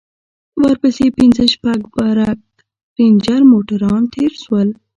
ورپسې پنځه شپږ برگ رېنجر موټران تېر سول.